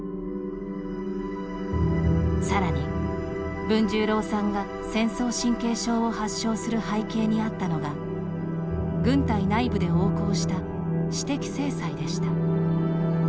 さらに、文十郎さんが戦争神経症を発症する背景にあったのが軍隊内部で横行した私的制裁でした。